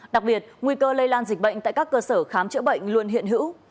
đặc biệt nguy cơ lây lan dịch bệnh tại các cơ sở khám chữa bệnh luôn hiện hữu